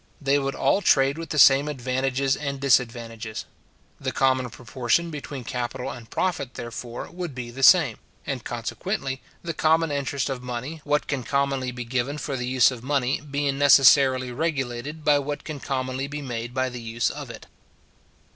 They would all trade with the same advantages and disadvantages. The common proportion between capital and profit, therefore, would be the same, and consequently the common interest of money; what can commonly be given for the use of money being necessarily regulated by what can commonly be made by the use of it.